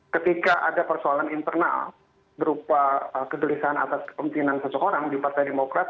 ketika ada persoalan internal berupa kegelisahan atas kepentingan seseorang di partai demokrat